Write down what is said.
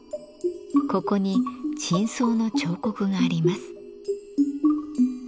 ここに頂相の彫刻があります。